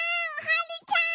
はるちゃん！